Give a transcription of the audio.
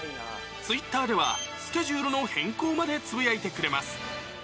ツイッターでは、スケジュールの変更までつぶやいてくれます。